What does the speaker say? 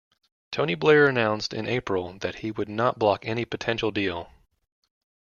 Tony Blair announced in April that he would not block any potential deal.